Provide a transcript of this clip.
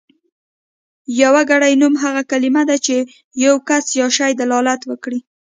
يوګړی نوم هغه کلمه ده چې په يو کس يا شي دلالت وکړي.